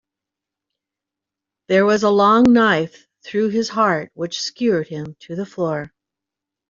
There was a long knife through his heart which skewered him to the floor.